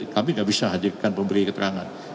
kami tidak bisa hadirkan pemberi keterangan